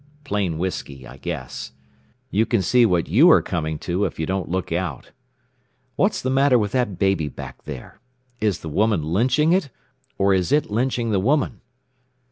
Plain whiskey, I guess. You can see what you are coming to if you don't look out.... What's the matter with that baby back there? Is the woman lynching it, or is it lynching the woman?...